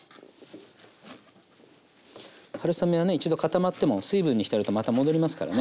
春雨はね一度固まっても水分に浸るとまた戻りますからね。